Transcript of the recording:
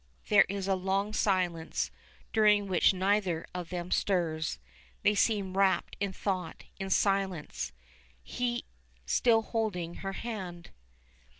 There, is a long silence, during which neither of them stirs. They seem wrapt in thought in silence he still holding her hand.